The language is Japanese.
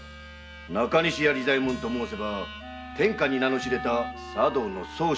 中西屋利左衛門と申せば天下に名の知れた茶道の宗匠。